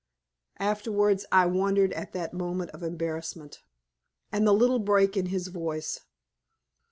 Afterwards I wondered at that moment of embarrassment, and the little break in his voice.